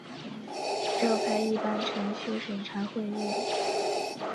召开一般程序审查会议